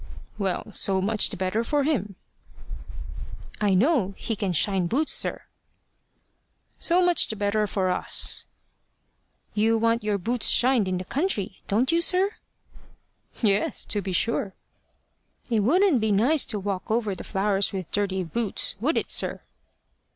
"Well, so much the better for him." "I know he can shine boots, sir." "So much the better for us." "You want your boots shined in the country don't you, sir?" "Yes, to be sure." "It wouldn't be nice to walk over the flowers with dirty boots would it, sir?"